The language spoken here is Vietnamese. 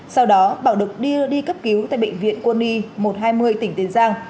sau đó bảo được đưa đi cấp cứu tại bệnh viện quân y một trăm hai mươi tỉnh tiền giang